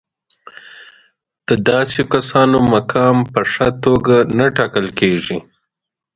د داسې کسانو مقام په ښه توګه نه ټاکل کېږي.